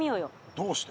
どうして？